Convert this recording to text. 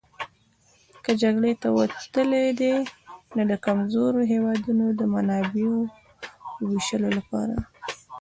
که جګړې ته وتلي دي نو د کمزورو هېوادونو د منابعو وېشلو لپاره.